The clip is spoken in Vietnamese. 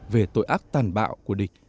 về tội ác tàn bạo của địch